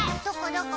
どこ？